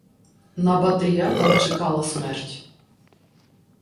На Батия там чекала смерть